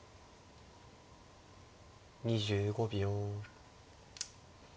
２５秒。